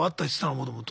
もともと。